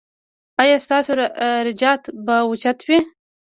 ایا ستاسو درجات به اوچت وي؟